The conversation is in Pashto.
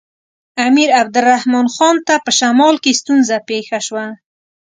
امیر عبدالرحمن خان ته په شمال کې ستونزه پېښه شوه.